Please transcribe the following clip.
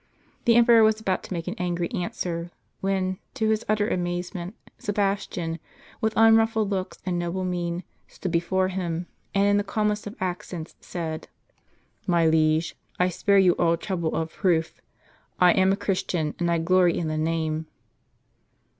The emperor was about to make an angry answer, when, to his utter amazement, Sebastian, with unruffled looks and noble mien, stood before him, and in the calmest accents said: " My liege, I spare you all trouble of proof. I mn a Christian, and I glory in the name."